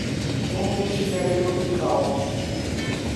Compre um chinelo tropical